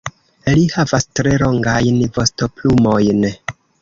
Li havas tre longajn vostoplumojn.